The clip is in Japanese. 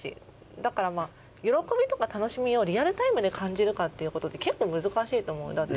だからまあ喜びとか楽しみをリアルタイムで感じるかっていうことって結構難しいと思うだって。